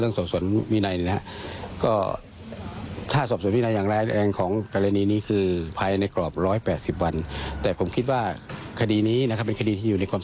ในสุวิทย์ยินยันด้วยนะคะ